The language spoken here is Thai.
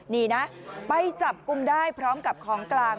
นี่นะไปจับกลุ่มได้พร้อมกับของกลาง